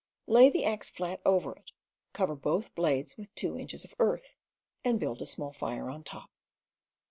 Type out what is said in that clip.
Lay the axe flat over it, cover both blades with two inches of earth, and build a small fire on top.